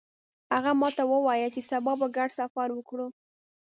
هغه ماته وویل چې سبا به ګډ سفر وکړو